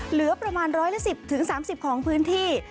เหลือประมาณ๑๑๐๓๐ของพื้นที่